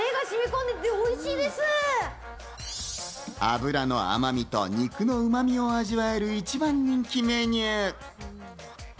脂の甘みと肉のうまみを味わえる一番人気メニュー。